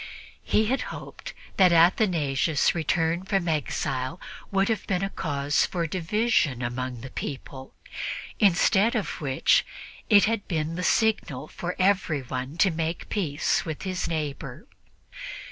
He had hoped that Athanasius' return from exile would have been a cause for division among the people, instead of which it had been the signal for everyone to make peace with his neighbor.